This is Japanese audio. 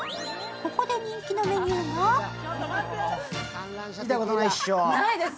ここで人気のメニューがないです。